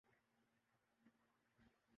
کہاں لگنے چاہئیں۔